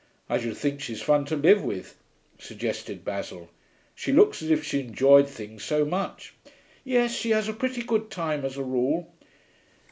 'I should think she's fun to live with,' suggested Basil. 'She looks as if she enjoyed things so much.' 'Yes, she has a pretty good time as a rule.'